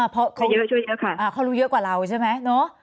เพราะเขารู้เยอะกว่าเราใช่ไหม